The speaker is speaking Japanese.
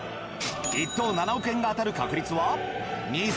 １等７億円が当たる確率は。